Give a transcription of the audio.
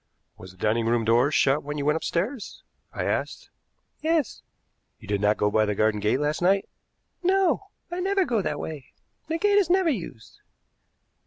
"Was the dining room door shut when you went upstairs?" I asked. "Yes." "You did not go by the garden gate last night?" "No. I never go that way. The gate is never used."